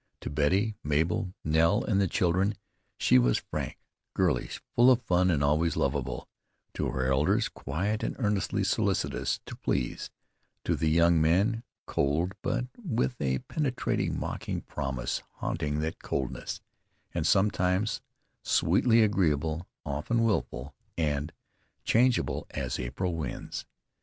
To Betty, Mabel, Nell, and the children, she was frank, girlish, full of fun and always lovable; to her elders quiet and earnestly solicitous to please; to the young men cold; but with a penetrating, mocking promise haunting that coldness, and sometimes sweetly agreeable, often wilful, and changeable as April winds.